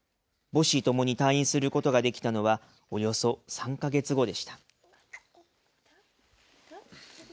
母子ともに退院することができたのはおよそ３か月後でした。